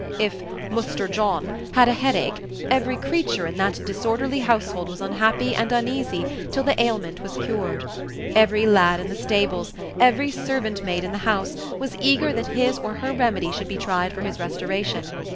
If "Muster John" had a headache, every creature in that disorderly household was unhappy and uneasy till the ailment was cured; every lad in the stables, every servant maid in the house, was eager that his or her remedy should be tried for his restoration.